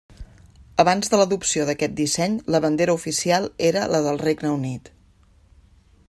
Abans de l'adopció d'aquest disseny, la bandera oficial era la del Regne Unit.